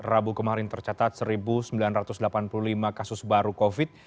rabu kemarin tercatat satu sembilan ratus delapan puluh lima kasus baru covid